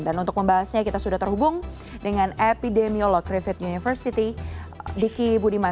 dan untuk membahasnya kita sudah terhubung dengan epidemiolog revit university diki budiman